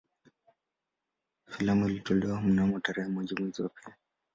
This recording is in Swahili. Filamu ilitolewa mnamo tarehe moja mwezi wa pili